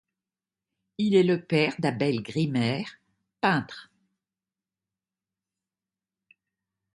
Il est le père d'Abel Grimmer, peintre.